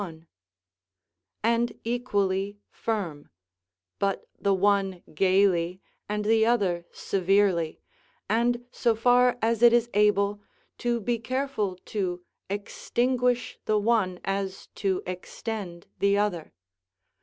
31.] and equally firm; but the one gaily and the other severely, and so far as it is able, to be careful to extinguish the one as to extend the other.